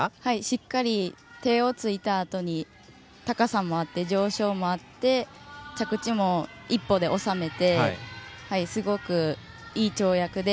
しっかり手をついたあとに高さもあって上昇もあって着地も１歩で収めてすごく、いい跳躍で。